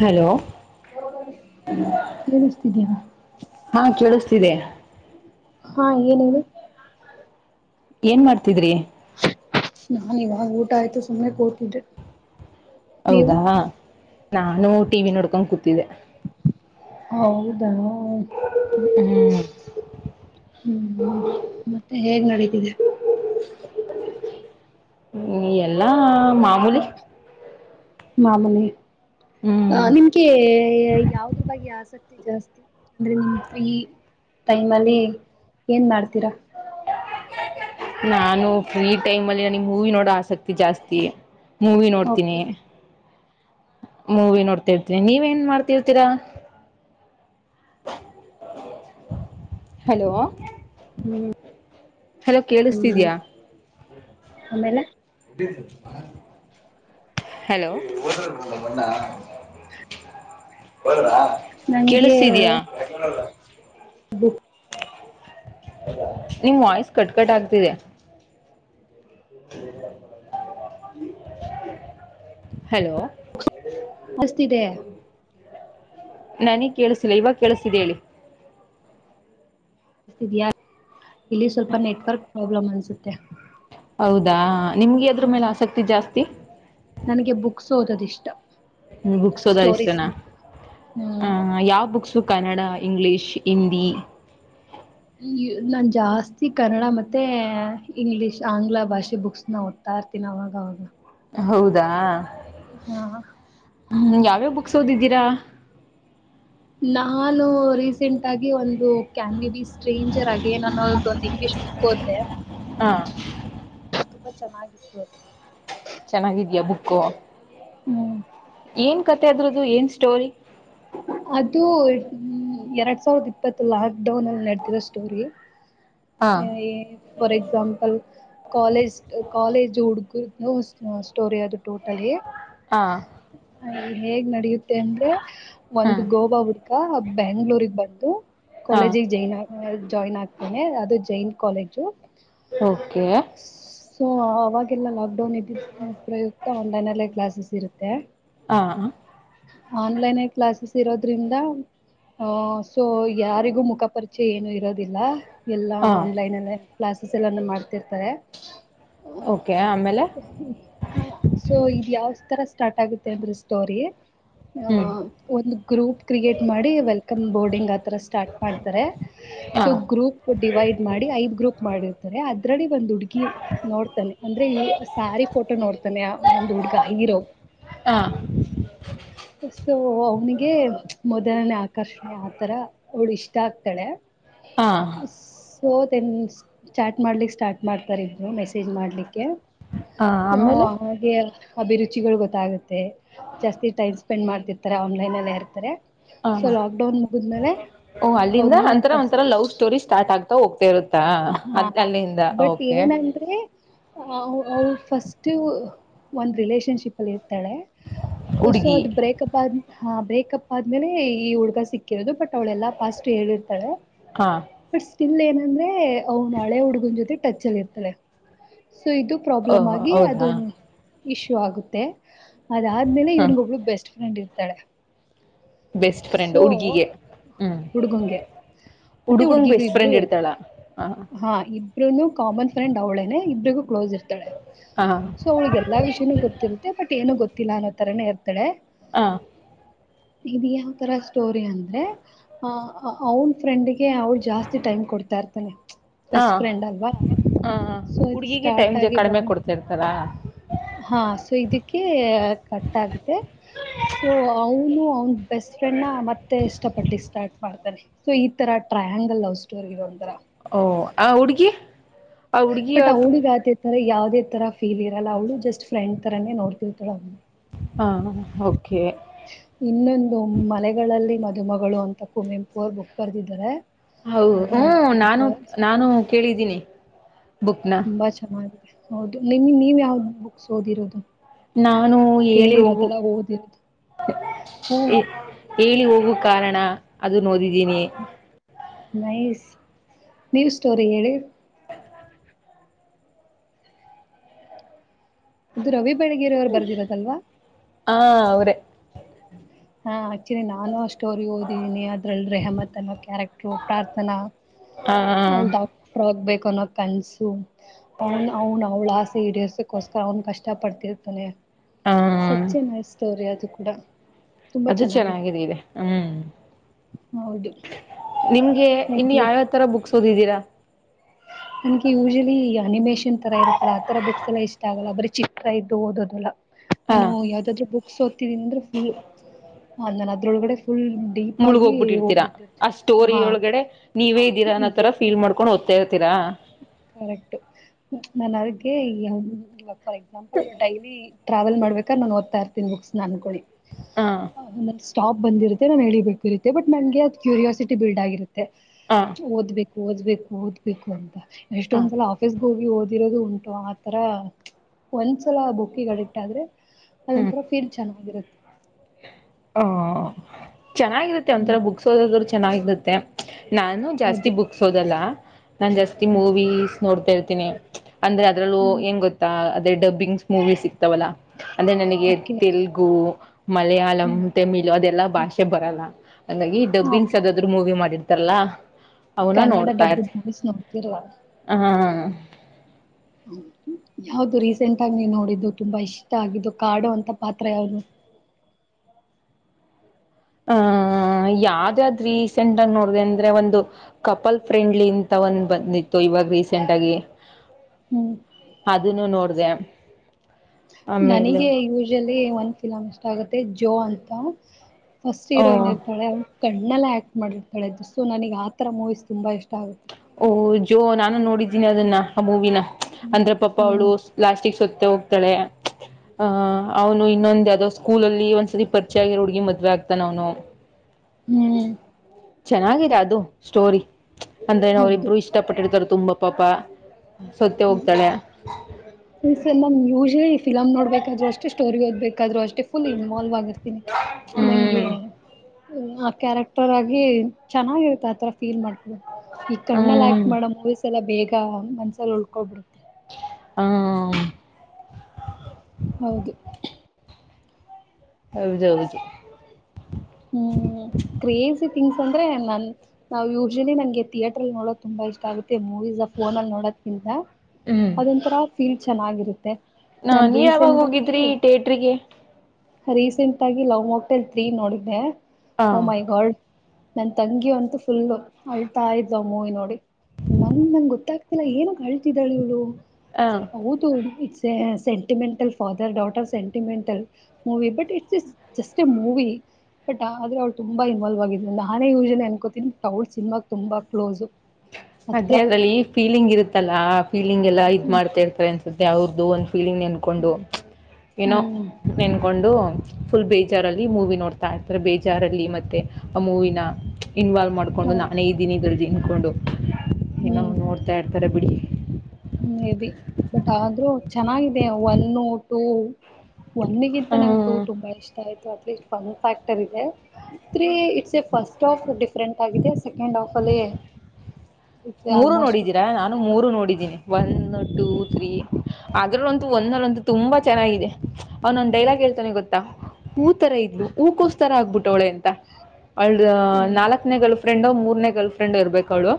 Hello ಕೇಳಿಸ್ತಿದೆಯಾ ಹಾ ಕೇಳಿಸ್ತಿದೆ ಹಾ ಏನ್ ಹೇಳಿ ಏನ್ ಮಾಡ್ತಿದ್ರಿ ನಾನ್ ಇವಾಗ ಊಟ ಆಯ್ತು ಸುಮ್ಮ್ನೆ ಕೂರ್ತಿದ್ದೆ ಹೌದಾ ನಾನು ಟಿ ವಿ ನೋಡ್ಕೊಂಡ್ ಕೂತಿದ್ದೆ. ಹೌದಾ ಹ್ಮ್. ಹ್ಮ್ ಹ್ಮ ಮತ್ತೆ ಹೇಗ್ ನಡೀತಿದೆ. ಹ್ಮ್ ಎಲ್ಲಾ ಮಾಮೂಲಿ. ಮಾಮುಲಿ ಅ ಹ್ಮ್ ನಿಮ್ಗೆ ಯಾವ್ದ್ರ ಬಗ್ಗೆ ಆಸಕ್ ಜಾಸ್ತಿ ಅಂದ್ರೆ ನಿವ್ ಫ್ರೀ ಟೈಮ ಅಲ್ಲಿ ಏನ್ ಮಾಡ್ತೀರಾ. ನಾನು ಫ್ರೀ ಟೈಮಲಿ ನನಿಗ್ ಮೂವಿ ನೋಡೋ ಆಸಕ್ತಿ ಜಾಸ್ತಿ. ಮೂವಿ ನೋಡ್ತೀನಿ. ಓಕೆ ಮೂವಿ ನೋಡ್ತಿರ್ತೀನಿ ನೀವ್ ಏನ್ ಮಾಡ್ತಿರ್ತೀರಾ ಹಲೋ. ಹಲೋ ಕೇಳಿಸ್ತಿದ್ಯಾ. ಆಮೇಲೆ ಹೆಲೋ ಕೆಳುಸ್ತಿದ್ಯ. ಬುಬ್ ನಿಮ್ ವಾಯ್ಸ್ ಕಟ್ಕಟ್ ಆಗ್ತಿದೆ. [unintelligible] [unintelligible] ಸ್ತಿದೆ. ನನಿಗ್ ಕೇಳುಸ್ತಿಲ್ಲ ಇವಾಗ್ ಕೇಳುಸ್ತಿದೆ ಹೇಳಿ. ಸ್ಥಿದ್ಯ ಇಲ್ಲಿ ಸ್ವಲ್ಪ ನೆಟ್ವರ್ಕ್ ಪ್ರಾಬ್ಲಮ್ ಅನ್ಸುತ್ತೆ. ಹೌದಾ ನಿಮ್ಗೆ ಯಾವ್ದ್ರು ಮೇಲ್ ಆಸಕ್ತಿ ಜಾಸ್ತಿ. ನನಗೆ ಬುಕ್ಸ್ ಓದದ ಇಷ್ ್ಮ ಬುಕ್ಸ್ ಸಓದ್ತನಾ ಹ್ಮ್ ಯಾವ್ ಬುಕ್ಸ್ಕ್ ಕನಡಾ ಇಂಗ್ಲೀಷ್ ಹಿಂದಿ ನಾನ್ ಜಾಸ್ತಿ ಕನ್ನಡ ಮತ್ತೆ ಇಂಗ್ಲಿೀಷ್ ಆಂಗ್ಲ ಭಾಷೆ ಬುಕ್ಸ್ ನ ಓದ್ತಾ ಇರ್ತೀನಿ ಅವಾಗವಾಗ ಹೌದಾ ಹಾ ಹ್ಮ ಯಾವ್ಯಾವ ಬುಕ್ಸ್ ಓದಿದ್ದೀರಾ ನಾನು ರಿ ಸೆಂಟ್ ಆಗಿ ಒಂದು ಕ್ಯಾನ್ಡಿ ಸ್ಟ್ರೇಂಜರ್ ಅಗೇನ್ ಅನ್ನೋದು ಒಂದು ಇಂಗ್ಲಿಷ್ ಬುಕ್ ಓದ್ದೆ ಹಾ ತುಂಬ ಚೆನ್ನಾಗಿತ್ತು ಅದು ಚೆನ್ನಾಗಿದ್ಯಾ ಬುಕ್ಕು ಹ್ಮ್ ಏನ್ ಕತೆೆ ಅದ್ರದು ಏನ್ ಸ್ಟೋರಿ ಅದು ಎರಡ್ ಸಾವಿರದ ಇಪ್ಪತ್ತು ಲಾಕ್ ಡೌನ್ ಅಲ್ಲಿ ನಡೆತಿರೋ ಸ್ಟೋರಿ ಹಾ ಫಾರ್ ಎಕ್ಸಾಂಪಲ್ ಕಾಲೇಜ್ ಕಾಲೇಜ್ ಹುಡುಗರ ಸ್ಟೋರಿ ಅದು ಟೋಟಲಿ ಹ ಹೇಗ್ ನಡೆಯುತ್ತೆ ತಂದ್ರೆ ಹಾ ಒಂದು ಗೋವಾ ಈಗ ಬೆಂಗ್ಗಳೂಗ್ ಬಂದು ಹಾ ಕಾಲೇಜ್ಗೆ ಜೈನ ಜಾಯಿನ್ ಆಗ್ತೇನೆ ಅದು ಜೈನ್ ಕಾಲೇಜು ಓಕ ಸೊ ಅವಾಗೆಲ್ಲ ಲ ನಿ ಪ್ರಯುಕ್ತ ಮನೇಲಿ ಕ್ಲಾಸಸ್ ಇತ್ತೆ ಹಾ ಆನ್ಲೈನ್ ಕ್ಲಾಸಿಸ್ ಇರೋದ್ರಿಂದ ಆ ಸೊ ಯಾರಿಗೂ ಮುಖ ಪರಿಚಯ ಏನು ಇರೋದು ಿಲ್ಲ ಎಲ್ಲ ಹಾ ಆನ್ಲೈನ್ ಅಲ್ಲೇ ಕ್ಲಾಸಸ್ ಎಲ್ಲ ಮಾಡ ರ್ತಾರೆ ಓಕೆ ಆಮೇಲೆ ಹ ಸೊ ಇ ಯಾವ ತರ ಸ್ಟಾರ್ಟ್ ಆಗುತ್ತೆ ಅಂದ್ರ ಸ್ಟೋರಿ ಅಹ ಹ್ಮ್ ಒಂದು ಗ್ರೂಪ್ ಕ್ರಿಯೇಟ್ ಮಾಡಿ ವೆಲ್ಕಮ್ ಬೋರ್ಡಿಂಗ್ ಆತರ ಸ್ಟಾರ್ಟ್ ಮಾಡ್ತಾರೆ ಹಾ ಸೊ ಗ್ರೂಪ್ ಡಿವೈಡ್ ಮಾಡಿ ಐದ್ ಗ್ರೂಪ್ ಮಾಡಿರ್ತಾರೆ ಒಂದ್ ಹುಡ್ಗಿ ನೋಡ್ತಾನೆ ಅಂದ್ರೆ ಸಾರಿ ಫೋಟೋ ನೋಡ್ತಾನೆ ಆ ಒಂದ್ ಹುಡ್ಗ ಹೀರೋ ಹ ಸೊ ಅವನಿಗೆ ಮೊದಲನೇ ಆಕರ್ಷಣೆ ಆತರ ಅವಳು ಇಷ್ಟ ಆಗ್ತಾಳೆ ಹಾ ಫೋ ತೆನ್ಮೀಸ್ ಚಾಟ್ ಮಾಡ್ಲಿಕ್ಕೆ ಸ್ಟಾರ್ಟ್ ಮಾಡ್ತಾರ ಇದ್ರು ಮೆಸೇಜ್ ಮಾಡ್ಲಿಕ್ಕೆ. ಹಾ ಹ ಆಮೇಲೆ ಹಾಗ್ಯ. ಅಭಿರುಚಿಗುಳ್ ಗೊತ್ತಾಗುತ್ತೆ. ತೆ ಜಾಸ್ತಿ ಟೈಮ್ಸ್ ಸ್ಪೆಂಡ್ ಮಾಡ್ತಿರ್ತಾರೆ ಆನ್ಲೈನ್ ಎಲ್ಲೇ ಇರ್ತರೆ. ಹ ಹಾ ಓ ಅಲ್ಲಿಂದ ಅವನು ಅಂತರ ಫಸ್ಟ್ ಒಂಥರ ಲವ್ ಸ್ಟೋರಿ ಸ್ಟಾರ್ಟ್ ಆಗ್ ತ ಹೋಗ್ತ ಇರೋದ್ ತಾ ಹ ಅದ್ ಅಲ್ಲಿಂದ ಓಕೆ. ಅವ್ ಅವು ಫಸ್ಟು ಒಂದ್ ರಿಲೇಷನ್ಶಿಪಲ್ಲಿ ಇರುತ್ ತಳೆ ಸೊ ಹುಡುಗಿ ಅದು ಬ್ರೇಕಕ್ಪ್ ಹ ಬ್ರೇಕ್ ಬೇಕಪ್ ಆದ್ಮೇಲೆ ಈ ಹುಡುಗ ಸಿಕ್ಕಿರೋದು ಬಟ್ ಅವ್ಳೆಲ್ಲಾ ಪಾಸ್ಟ್ ಹೇಳಿರ್ತಾಳೆ. ಹಾ ತಿನ್ಲ ಏನಂದ್ರೆ. ಏ ಅವ್ನ ಹಳೆ ಹುಡ್ಗನ್ ಜೊತೆ ಟಚ್ ಅಲ್ ಇರ್ತಳೆ ಸೊ. ಸೊ ಇದು ಪ್ರಾಬ್ಲಮ್ ಓಹೋ ಆಗಿ ಅದು. ಹೌದಾ ಇಶ್ಯೂ ಆಗುತ್ತೆ. ಅದಾದ್ಮೇಲೆ ಹ್ಮ ಇವ್ಳ್ ಗೊಬ್ಳು ಬೆಸ್ಟ್ ಫ್ರೆಂಡ್ ಇರ್ ತಳೆ ಬೆಸ್ಟ್ ಫ್ರೆಂಡ್ ಉಡ್ಗಿಗೆ ಹ್ಮ ಹುಡ್ಗಂಗೆ ಮತ್ತೆ ಉಡ್ಗುಂಗ್ ಹುಡ್ಗಿಗ ಬೆಸ್ಟ್ ಇಬ್ರು ಫ್ರೆಂಡ್ ಇರ್ತಳ. ಹಾ ಇಬ್ ಬ್ರುನು ಕಾಮನ್ ಫ್ರೆಂಡ್ ಅವ್ಳೇನೆ ಇಬ್ರುಗು. ಕ್ಲೋಸ್ ಇರ್ತಾಳೆ ಹ ಸೊ ಅವ್ಳಿಗ್ ಎಲ್ಲಾ ವಿಷಯನೂ ಗೊತ್ತಿರುತ್ತೆ ಬಟ್ ಏನು ಗೊತ್ ತಿಲ್ಲ ಅನ್ನೋ ತರಾನೇ ಇರ್ತಳೆ. ಹ. ಇದ್ ಯಾವ್ ತರ ಸ್ಟೋರಿ ಅಂದ್ರೆ ಅ ಅವ್ನ್ ಫ್ರೆಂಡ್ಗೆ ಗೆ ಅವ್ಳ ಜಾಸ್ತಿ ಟೈಮ್ ಕೊಡ್ತಾ ಇರ್ತಾನೆ. ಹ ಬೆಸ್ಟ್ ಫ್ರೆಂಡ್ ಅಲ್ವಾ ಹ ಸೊ ಇದ್ ಹುಡ್ಗಿಗೆ ಟೈಮ್ ಸ್ಟಾರ್ಟ್ ಆಗಿ ಕಡಿಮೆ ಕೊಡ್ತಾ ಇರ್ತಾರಾ ಹ ಸೊ ಇದಕ್ಕೆ ಕಟ್ ಆಗುತ್ತೆ ಸೊ ಅವ್ ಅವ್ನು ಅವ್ನ್ ಬೆಸ್ಟ್ ಫ್ರೆಂಡ್ನ ಮತ್ತೆ ಇಷ್ಟ ಪಡ್ಲಿಕ್ಕೆ ಸ್ಟಾರ್ಟ್ ಮಾಡ್ ಸೊ ಈ ತರ ಟ್ರಯಾಂಗಲ್ ಲವ್ ಸ್ಟೋರಿ ಒಂತರ. ಓ ಆ ಹುಡ್ಗಿ. ಆ ಹುಡ್ಗಿ ಪಟಾೌಡಿಗಾತ. ಅಂದ್ರ ಯಾವ್ದೇ ತರ ಫೀಲ್ ಇಲ್ಲ ಅವಳ ಜಸ್ಟ್ ಫ್ರೆಂಡ್ ತರಾನೇ ನೋಡ್ತಿರ್ತಳ ಅವಳ. ಹ ಓಕೆ. ಇನ್ನೊಂದು ಮನೆಗಳಲ್ಲಿ ಮದುಮಗಳು ಅಂತ ಕುವೆಂಪು ಅವರು ಬುಕ್ ಬರ್ದಿದ್ದಾರೆ. ಹೌ ಅದು ಒಂದು ಹ್ಮ ನಾನು ತುಂಬಾ ನಾನು ಕೇಳಿದ್ದೀನಿ. ಬುಕ್ನ ತುಂಬಾ ಚೆನ್ನಾಗಿದೆ. ಹೌದು ನಿಮ್ ನೀವ್ ಯಾವ್ದ ಬುಕ್ಸ್ ಓದಿರೋದು. ನಾನು ಹೇಳಿ ಹೋಗು ಕೇಳಿರೋದಲ್ಲ ಓದಿರೋದು ಹ್ಮ್ ಹೇಳಿ ಹೋಗುವ ಕಾರಣ. ಅದು ನೋದ. ಇನಿ. ನೈಸ್ ನೀನ್ಯೂ ಸ್ಟೋರಿ ಹೇಳಏಳಿ. ಅದು ರವಿ ಬೆಳಗೇರಿವರು ಬರ್ದಿರೋದಲ್ವಾ. ಹಾ ಅವರೇ. ಹಾ ಆಕ್ಚುಲಿ ನಾನು ಅಷ್ಟು. ಸ್ಟೋರಿ ಓದಿನಿ ಅದ್ರಲ್ಲಿ ರೆಹಮತ್ ಅನ್ನೋ ಕ್ಯಾರೆಕ್ಟರ್ ಪ್ರಾರ್ಥನಾ ಹ ಅವ ಡಾಕ್ಟರ್ ಆಗ್ಬೇಕು. ಕೊನ ಕನ್ಸು. ಅವನ್ ಅವನು ಅವ್ಳ ಆಸೆ ಈಡೇರ್ಸಕ್ಕೋಸ್ಕ. ಅವನ್ ಕಷ್ಟ ಪಡ್ತಿರ್ತಾನೆ. ಹ ಸಚ್ಚೆ ಮ ಸ್ಟೋರಿ. ಕೂಡ. ಅದು ಚೆನ್ನಾಗಿದೆ ಇದೆ ಹ್ಮ್ ಹೌದು ನಿಮಗೆ ಇನ್ನು ಯಾವ್ಯಾವ ತರ ಬುಕ್ಸ್. ಸದಿದ್ದೀರಾ. ನನ ಯೂಶವಲಿ ಅನಿಮ. ಷನ್ ತರ ಇರತ್ತಲ್ಲ ಆ ತರ ಬುಕ್ಸ್ ಎಲ್ಲ ಇಷ್ಟ ಆಗಲ್ಲ ಬರೀ ಚಿತ್ರ ಇದ್ದು ಓದೋದಲ್ಲ. ಹಾ ನಾನು ಯಾವ್ದಾದ್ರೂ ಬುಕ್. ಸೋತಿನಿ ಅಂದ್ರೆ ಫುಲ್ ನಾನನ್ ಅದ್ರೊಳಗಡೆ. ಫುಲ್ ಡೀಪ್ ಮುಳಗ ಆಗಿ ಹೋಗ್ಬಿಟ್ಟಿರ್ತೀರಾ ಆ ಹೋಗ್ಬಿಟ್ಟಿರ್ತೀನಿ ಸ್ಟೋರಿಯ ಹಾ ಒಳಗಡೆ ನೀವೇ ಇದ್ದೀರಾ ಅನ್ನೋ ತರ ಹೀಗೆ ೀಲ್ ಮಾಡಕೊಂಡ ಓದ್ತ. ಕರೆಕ್ಟ್ ನನ್ನ ಅದಕ್ಕೆಈ ಹ ಫಾರ್ ಎಕ್ಸಾಪಲ್ ಡೈಲಿ ಟ್ರಾವೆಲ್ ಮಾಡ್ಬೇಕ ನನ್ ಓದ್ತಾರ ತಿನ್ಬುಕ್ಸ್ನ ಅಂದ್ಕೊಳ್ಳಿ ಹಾ ಸ್ಟಾಪ್ ಬಂದಿತ್ತೆ ನಾನು ಹೇಳಿಬೇಕಿರುತ್ತ ಬಟ್ ನನಗೆ ಅ ಕ್ಯೂರಿಯಿಟಿ ಬಿಲ್ಡ್ ಆಗಿತ್ತೆ ಹ ಓದಬೇಕ ಓದ್ಬೇಕು ಓದ್ಬೇಕು ಅಂತ ಹ ಎಷ್ಟೊಂದ್ಲ ಆಫೀಸ್ಗೆ ಹೋಗಿ ಓದಿ ಇರೋದು ಉಂಟು ಆತರ ಒಸ ಸಲ ಬುಕ್ಕಿಗೆ ಅಡಿಕ್ಟ್ ಆದ್ರೆ ಹ್ಮ್ ಅದೊಂಂತರ ಫೀಲ್ ಚೆನ್ನಾಗಿರುತ್ತೆ ಆ ಚೆನ್ನಾಗಿರುತ್ತೆ ಒಂಥರ ಹ್ಮ್ ಬುಕ್ಸ ಓದದು ಚೆನ್ನಾಗಿರುತ್ತೆ ನಾನು ಜಾಸ್ತಿ ಹೌದು ಬುಕ್ಸ್ ಹೋದಲ್ಲ ನಾನ್ ಜಾಸ್ತಿ ಹ್ಮ್ ಮೂವೀಸ್ ನೋಡ್ತಾ ಇರ್ತೀನಿ ಅಂದ್ರೆ ಅದ್ರಲ್ಲೂ ಹ್ಮ್ ಎನ್ ಗೊತ್ತಾ ಡಬ್ಬಿಂಗ್ ಮೂವಿ ಸಿಕ್ ಇವಲ್ಲ ಅಂದ್ರೆ ನನಗೆ ಓಕೆ ತೆಲುಗು ಮಲಯಾಳಂ ಹ್ಮ್ ತೆಮಿಳ ಅದೆಲ್ಲಾ ಭಾಷೆ ಬರಲ್ಲ ಹಂಗಾಗಿ ಡಬ್ಬಿಂಗ್ಸ್ ಓಕೆ ಯಾವುದಾದರೂ ಮೂವಿ ಮಾಡಿದ ರ್ಲಾ ಕನ್ನಡ ಡಬ್ಬುಡ್ ಮುಗಿಸಿ ನೋಡ್ತಿರ ಆ ಹ ಯಾವದು ರೀಸೆಂಟ್ ಆಗ ನೀ ನೋಡಿದ್ದು ತುಂಬಾ ಇಷ್ಟ ಆಗಿದ್ದು ಕಾಡುೋ ಅಂತ ಪಾತ್ರ ಯಾದು ಹಹ ಯಾವ್ದಾದ ರೀಸೆಂಟ್ ಆಗ ನೋಡ್ದ ಅಂದ್ರೆ ಒಂದು ಕಪಲ್ ಫ್ರೆಂಡ್ಲಿ ಅಂತ ಒಂದ್ ಬಂದಿತ್ತು ಇವಾಗ ರೀಸೆಂಟ್ ಆಗಿ ಹ್ಮ್ ಅದನ್ನು ನೋಡ್ದೆ [inaudible] ಆಮೇಲೆ ನನಗೆ ಯೂಶ್ಲಿ ಒಂದ್ ಫಿಲಮ್ ಇಷ್ಟ ಆಗುತ್ತೆ ಜೋ ಅಂತ ಫಸ್ಟ್ ಓ ಹೀರೋಯನ್ ಇರ್ತಳ ಅವಳ ಕಣ್ಣಲ್ಲ ಆಕ್ ಮಾಡಿರ್ತಾಳ್ದು ಸೊ ನನಗೆ ಆತರ ಮೂವೀಸ್ ತುಂಬಾ ಇಷ್ಟ ಆಗುತ್ತೆ ಓಹ ಜೋ ನಾನು ನೋಡಿದ್ದೀನಿ ಅದನ್ನ ಆ ಮೂೂವಿನ ಹ್ಮ್ ಅಂದ್ರೆ ಪಾಪ ಹ್ಮ್ ಅವಳು ಲಾಸ್ಟಿಗಿ ಸತ್ತ ಹೋಗ್ತಾಳೆ ಹ ಅವ್ನು ಇನ್ನೊಂದ್ ಅದೋ ಸ್ಕೂ ಅಲ್ಲಿ ಒಂದ್ಸತಿ ಪರಿಚ ಆಗಿರೋದು ಮದುವೆ ಆಗ್ತಾನ ಅವನು ಹ್ಮ್ ಚೆನ್ನಾಗಿದೆ ಅದು ಸ್ಟೋರಿ ಅಂದ್ರೆ ನ ಹೌದು ಅವ್ರುಬ್ಬರು ಇಷ್ಟಪಟ್ಟರ್ತಾರದು ತುಂಬ ಪಾಪ ಸೊತ್ತೆ ಹೋಗ್ತಾಳೆ ್ ಯೂ ಫಲಮ್ ನೋಡ್ಬೇಕಾದ್ರರು ಅಷ್ಟ ಸ್ಟೋರಿ ಓ್ಬೇಕಾದ್ರು ಅೇ ಫು ಇನ್ವಾಲ್ವ್ ಆಗಿರ್ತೀನಿ ನಂಗೆ ಹ್ಮ್ ಆ ಕ್ಯಾರೆಕ್ಟರ್ ಆಗಿ ಚೆನ್ನಾಗಿರುತ್ತೆ ಆತರ ಫೀಲ್ ಮಾಡ್ ಈ ಕಣ್ಣಲ್ಲಿ ಹ್ಮ್ ಆಕ್ಟ್ ಮಾಡೋ ಮೂವಿಸಸ್ ಎಲ್ಲಾ ಬೇಗ ಮನ್ಸಲ್ಲಿ ಉಳೋಕೊ ಕೊಬಿಡುತ್ತೆ ಹ್ಮ್ ಹೌದು ಹೌದೌದು ಹ್ಮ್ ಕ್ರೇಜಿ ತಿಂಗ್ಸ್ ಅಂದ್ರೆ ನನ್ ನಾವ್ ಯೂಜ್ಲಿ ನನ್ಗೆ ಥಿಯೇಟ್ರಲ್ ನೋಡೋಕ್ ತುಂಬ ಇಷ್ಟ ಆಗುತ್ತೆ ಮೂವೀಸ್ ಅ ಫೋನಲ್ ನೋಡೋದ್ಕಿಂತ. ಹ್ಮ್ ಅದೊಂತರ ಫೀಲ್ ಚೆನ್ನಾಗಿರುತ್ತೆ. ನಾ ನಾನು ನೀ ಯಾವಾಗ್ ರೀಸೆಂಟ್ ಹೋಗಿದ್ರಿ ಆಗಿ ಟೇಟ್ರಿಗೆ. ರೀಸೆಂಟ್ ಆಗಿ ಲವ್ ಮೊಕ್ಟೈಲ್ ತ್ರೀ ನೋಡ್ ದೆ ಹ ಒ ಮೈ ಗಾಡ್. ನನ್ ತಂಗಿ ಅಂತೂ ಫುಲ್ಲು ಅಳ್ತಾ ಇದ್ಲು ಮೂವಿ ನೋಡಿ ನಂ ನಂಗ್ ಗೊತ್ತಾಗ್ತಿಲ್ಲ ಏನುಕ್ ಅಳ್ತಿದಳ್ ಇವ್ಳು. ಹ ಹೌದು. [unintelligible] ದೆ sentimental father daughter sentimental movie but it's just a movie. But ಆದ್ರು ಅವ್ಳ ತುಂಬಾ ಇನ್ವಾಲ್ವ್ ಆಗಿದ್ಲು ನಾನೇ ಯೂಜ್ಲಿ ಅನ್ಕೋತೀನಿ ಬಟ್ ಅವ್ಳ್ ಸಿನ್ಮಾಗ್ ತುಂಬ ಕ್ಲೋಸು. ಹತ್ರ ಅದೇ ಅದ್ರಲ್ಲಿ ಫೀಲಿಂಗ್ ಇರುತ್ತಲ್ಲಾ ಆ ಫೀಲಿಂಗ್ ಎಲ್ ಲೈಕ್ ಹ್ಮ್ ಮಾಡ್ತಾ ಇರುತ್ತೆ ಅನ್ಸ್ ಮತ್ತೆ ಅವ್ರದು ಒಂದ್ ಫೀಲಿಂಗ್ ನೆಂದ್ಕೊಂಡು. ಏನೋ ಹ್ಮ್ ನೆನ್ಕೊಂಡು. ಫುಲ್ ಬೇಜಾರಲ್ಲಿ ಮೂವಿ ನೋಡ್ತಾ ಇರ್ತಾರೆ ಬೇಜಾರಲ್ಲಿ ಮತ್ತೆ ಆ ಮೂವಿನ. ಇನ್ವಾಲ್ವ್ ಮಾಡ್ಕೊಂಡು ನಾನೇ ಇದ್ದೀನಿ ಇದ್ರಲ್ ದಿಂಕೊಂಡು. ಏನೊ ನೋಡ್ತಾ ಇರ್ತರೆ ಬಿಡಿ. ಹ್ಮ ಮೆಬಿ ಬಟ್ ಆದ್ರೂ ಚೆನ್ನಾಗಿದೆ ಒನ್ನು ಟೂ. ಒನ್ಗಿಂತ ನಂಗ್ ಟು ಹ್ಮ್ ತುಂಬಾ ಇಷ್ಟ ಆಯ್ತು ಅ ಫನ್ ಫ್ಯಾಕ್ಟರ್ ಇದೆ, three it's a first half different ಆಗಿದೆ ಸೊ ಸೆಕೆಂಡ್ ಹಾಫ್ ಅಲ್ಲಿ. ಇಟ್ಸ್ ಮೂರು ಆಲ್ಮೋಸ್ಟ್ ನೋಡಿದೀರಾ ನಾನು ಮೂರು ನೋಡಿದ್ದೀನಿ. ಒನ್ ಟೂ ತ್ರೀ ಅಲ್ ಅದ್ರಲಂತು ಒನ್ ಅಲ್ ಅಂತೂ ತುಂಬಾ ಚೆನ್ನಾಗಿದೆ, ಅವ್ನ ಒಂದ್ ಡೈಲಾಗ್ ಹೇಳ್ತಾನೆ ಗೊತ್ತ ಹೂ ತರ ಇದ್ಲು ಹೂಕೋಸ್ತರ ಆಗ್ಬಿಟ್ ಟೊಳೆ ಅಂತ ಅವ್ಳದ್ ಹ್ಮ್ ನಾಲ್ಕನೆ ಗಲ್ಫ್ರೆಂಡೊ ಮೂ ಮೂರ್ನೇ ಗರ್ಲ್ ಫ್ರೆಂಡೊ ಇರ್ಬೇಕು ಅವ್ಳು.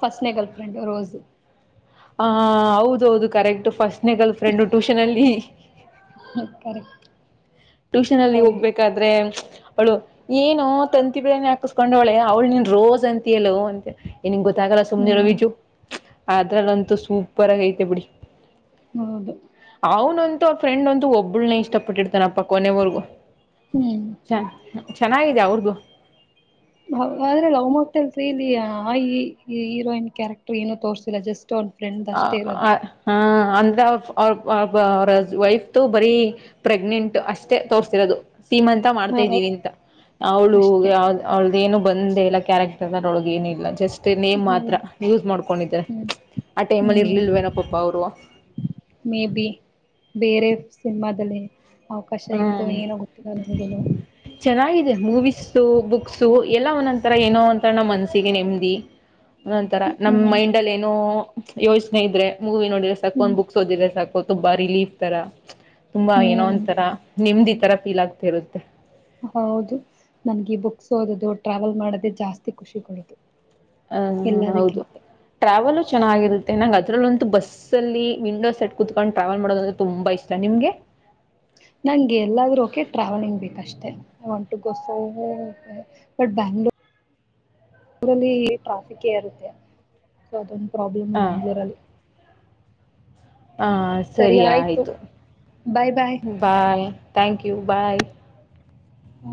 ಫಸ್ಟ್ನೇ ಗಿರ್ಲ್ಫ್ರೆಂಡು ರೋಸ್. ಹ ಹೌದೌದು ಕರೆಕ್ಟ್ ಫಸ್ಟ ನೆ ಗಲ್ಫ್ರೆಂಡು ಟ್ಯೂಷನ್ ಅಲ್ಲಿ. ಕರೆಕ್ಟ್ ಟ್ಯೂಷನ್ ಅಲ್ಲಿ ಹೌದು ಹೋಗ್ಬೇಕಾದ್ರೆ ಅವ್ಳು ಏನೊ ತಂತಿ ಬೇನೆ ಹಾಕ್ಸುಕೊಂದವಳೇ ಅವಳು ನೀನ್ ರೋಜ್ ಅಂತಿಯಲ್ಲೋ ಅಂತೆ [unintelligible] ನಿನ್ ಗೊತ್ತಾಗಲ್ಲ ಸುಮ್ನೆವಿರು ಹ್ಮ್ ವಿಜು ಆದದ್ರಲ್ಲ ಅಂತೂ ಸೂಪರ್ ಆಗ್ ಐತೆ ಬಿಡಿ ಹೌದು ಅವ್ರಫ್ರಂಡ್ ಅಂತು ಒಬ್ಬುಲ್ನೇ ಇಷ್ಟಪತಿರ್ತಾರ [unintelligible] ಕೊನೆ ಒರ್ಗು ಹ್ಮ್ ಚಾ ಚೆನ್ನಾಗಿದೆ ಅವ್ರ್ದು ಆದ್ರೆ ಲವ್ ಮೊಕ್ತೇಲ್ ತ್ರಿಯಲಿ ಆ ಈ ಹೀರೋಯಿನ್ ಕ್ಯಾರೆಕ್ಟರ್ ಏನುೂ ತೋರ್ತಿಿಲ್ಲ ಜಸ್ಟ್ ಅವ್ನ್ ಫ್ರೆಂಡ್ ಆ ಅಷ್ಟೇ ಇರೋದು ಅ ಹಾ ಅಂದ್ರ ಅವ್ ಅವ್ ಅವ್ರ್ [unintelligible] ವ ವೈಫ್ ತು ಬರೀ ಪ್ರೆಗ್ನೆಂಟ್ ಅಷ್ಟೇ ತೋರ್ಸಿರೊದು ಸೀಮ್ ಅಂತ ಹ ಮಾಡ್ತಾಯಿದೀವಿ ಅಂತ ಅವಳು ಅಷ್ಟೇ ಅವಳ್ದ ಏನು ಬಂದ್ ಎಲ್ಲ ಕ್ಯಾರೆಕ್ಟರ್ ಅರೊಳಗೆ ಏನಿಲ್ಲ ಜಸ್ಟ್ [unintelligible] ನೇಮ್ ಹೌದು ಮಾತ್ರ ಯೂಸ್ ಮಾಡ್ಕೊಂಡಿ ಹ್ಮ್ ಆ ಟೈಮಲ್ಲಿ ಹ್ಮ್ ಇರ್ಲಿಲ್ವೇನಪ್ಪಪ್ಪ ಅವರು ಮೇ ಬಿ ಬೇರೆ ಸಿನಿಮಾದಲ್ಲಿ ಅವಕಾಶ ಇತ್ತು ಹ್ಮ್ ಏನೊ ಗೊತ್ತಿಲ್ಲ ನಮಗುನೂ ಮೂವಿಸ್ ಬುಕ್ಸು ಎಲ್ಲ ಒಂದೊಂಂತರ ಏನೋ ಅಂತ ನಮ್ಮ್ ಮನ್ಸಿಗೆ ನೇಮದಿ [unintelligible] ಒಂತರ ನಮ್ ಹ್ಮ್ ಮೈಂಡಲ್ಲಿ ಏನೋ ಯೋಚನೆ ಇದ್ರೆ ಮೂವಿ ನೋಡಿದ್ರೆ ಸಾಕು ಒನ್ ಹ್ಮ್ ಬುಕ್ಸ್ ಓದಿದ್ರೆ ಸಾಕು ತುಂಬಾ ರಿಲೇಫ್ ತರ ತುಂಬಾ ಏನೋ ಹ್ಮ್ ನಿಮ್ದ್ ಈ ತರ ಪೀಲ್ ಆಗ್ತಿ ಇರುತ್ತೆ ಹೌದು ನನ್ಗೆ ಬುಕ್ಸ್ ಓದದು ಟ್ರಾವೆಲ್ ಮಾಡದೆ ಜಾಸ್ತಿ ಖುಷಿ ಕೊಡದು ಆ ಹೌದು ಟ್ರಾವೆಲು ಚೆನ್ನಾಗಿರುತ್ತೆ ನಂಗ್ ಅದರಲ್ಲಂತೂ ಬಸ್ ಅಲ್ಲಿ ವಿಂಡೋ ಸೆಟ್ ಕೂತ್ಕೊಂಡು ಟ್ರಾವೆಲ್ ಮಾಡೋದಂದ್ರೆ ತುಂಬಾ ಇಷ್ಟ ನಿಮ್ಗೆ ನಂಗೆ ಎಲ್ಲಾದರೂ ಓಕೆ ಟ್ರಾವೆಲಿಂಗ್ ಬೇಕಷ್ಟೆ I want to go so but Bangalore ಬೆಂಗಳೂರಲ್ಲಿ ಟ್ರಾಫಿಕ್ ಇರುತ್ತೆ ಸೊ ಅದೊಂದು ಪ್ರಾಬ್ಲಮ್ಮೆ ಹ ಬೆಂಗಳೂರಲ್ಲಿ ಹ ಸರಿ ಆಯ್ತು bye bye bye thank you you bye ಹ್ಮ